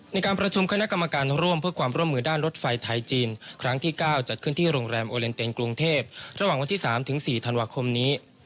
ในการประชุมคณะกรรมการร่วมเพื่อความร่วมมือด้านรถไฟไทยจีนครั้งที่๙จัดขึ้นที่โรงแรมโอเลนเต็นกรุงเทพระหว่างวันที่๓ถึง๔ธันวาคมนี้